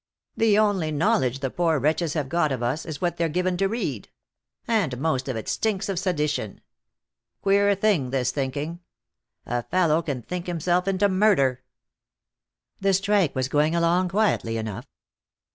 The only knowledge the poor wretches have got of us is what they're given to read. And most of it stinks of sedition. Queer thing, this thinking. A fellow can think himself into murder." The strike was going along quietly enough.